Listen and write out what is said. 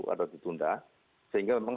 atau ditunda sehingga memang